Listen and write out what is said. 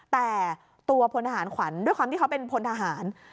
แต่ตัวพลทหารขวัญด้วยความที่เขาเป็นพลทหาร